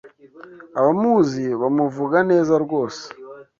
Abamuzi bamuvuga neza rwose.